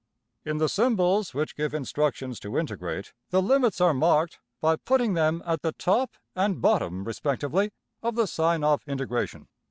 In the symbols which give instructions to integrate, the limits are marked by putting them at the top and bottom respectively of the sign of integration.